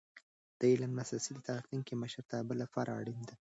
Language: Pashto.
د علم لاسرسی د راتلونکي مشرتابه لپاره اړینه ده.